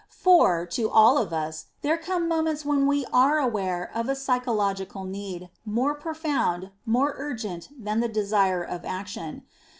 For, to all of us, there come moments when we are aware of a psychological need, more profound, more urgent, than the desire for action.